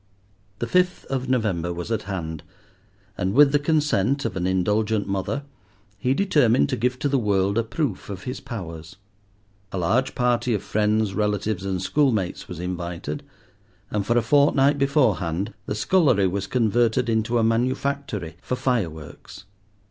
The fifth of November was at hand, and with the consent of an indulgent mother, he determined to give to the world a proof of his powers. A large party of friends, relatives, and school mates was invited, and for a fortnight beforehand the scullery was converted into a manufactory for fireworks.